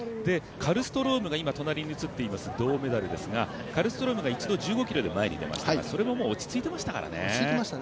カルストロームが今、隣に映っています、銅メダルですがカルストロームが一度１５ｋｍで前に出ましたそれも落ち着いていましたからね。